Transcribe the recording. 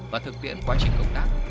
và thực tiễn quá trình công tác